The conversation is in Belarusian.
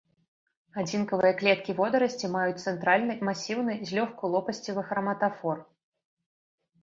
Адзінкавыя клеткі водарасці маюць цэнтральны, масіўны, злёгку лопасцевы храматафор.